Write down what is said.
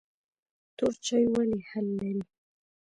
تور چای ولې هل لري؟